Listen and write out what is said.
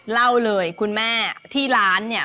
เล่าเลยคุณแม่ที่ร้านเนี่ย